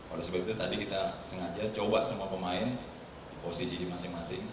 oleh sebab itu tadi kita sengaja coba semua pemain di posisi di masing masing